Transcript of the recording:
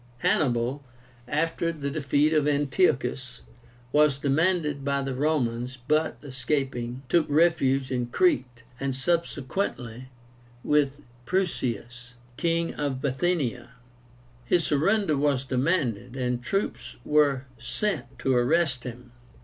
Hannibal, after the defeat of Antiochus, was demanded by the Romans, but, escaping, took refuge in Crete, and subsequently with Prusias, King of Bithynia. His surrender was demanded, and troops were sent to arrest him.